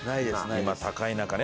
今高い中ね。